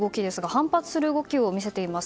反発する動きを見せています。